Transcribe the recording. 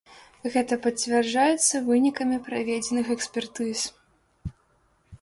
Гэта пацвярджаецца вынікамі праведзеных экспертыз.